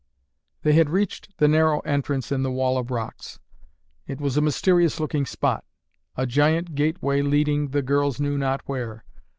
They had reached the narrow entrance in the wall of rocks. It was a mysterious looking spot; a giant gateway leading, the girls knew not where.